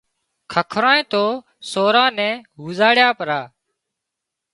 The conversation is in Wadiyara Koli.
ککرانئي تو سوران نين هوزواڙيا پرا